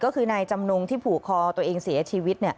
ก็คือนายจำนงที่ผูกคอตัวเองเสียชีวิต